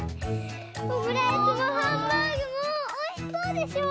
オムライスもハンバーグもおいしそうでしょ？